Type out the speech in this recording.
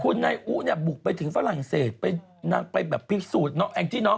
คุณนายอุเนี่ยบุกไปถึงฝรั่งเศสนางไปแบบพิสูจน์เนาะแองจี้เนอ